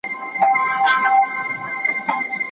هره ورځ لږ تمرین هم ګټور دی.